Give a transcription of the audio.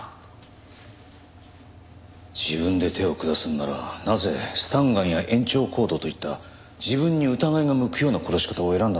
自分で手を下すならなぜスタンガンや延長コードといった自分に疑いが向くような殺し方を選んだんでしょうか。